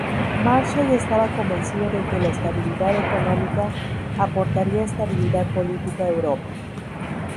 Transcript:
Marshall estaba convencido de que la estabilidad económica aportaría estabilidad política a Europa.